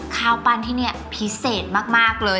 ข้าวปั้นที่นี่พิเศษมากเลย